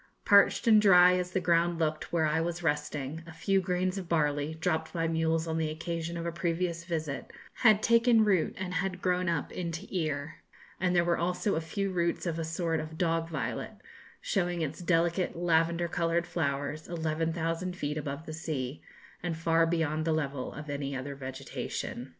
Parched and dry as the ground looked where I was resting, a few grains of barley, dropped by mules on the occasion of a previous visit, had taken root and had grown up into ear; and there were also a few roots of a sort of dog violet, showing its delicate lavender coloured flowers 11,000 feet above the sea, and far beyond the level of any other vegetation.